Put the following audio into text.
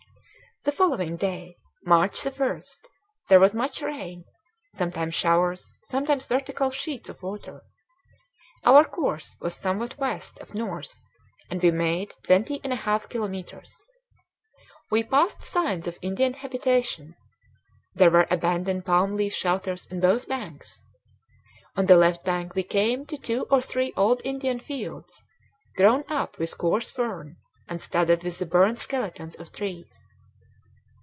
The following day, March 1, there was much rain sometimes showers, sometimes vertical sheets of water. Our course was somewhat west of north and we made twenty and a half kilometres. We passed signs of Indian habitation. There were abandoned palm leaf shelters on both banks. On the left bank we came to two or three old Indian fields, grown up with coarse fern and studded with the burned skeletons of trees.